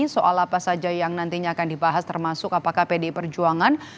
soal apa saja yang nantinya akan dibahas termasuk apakah pdi perjuangan